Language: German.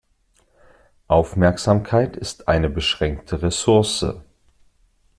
Aufmerksamkeit ist eine beschränkte Ressource.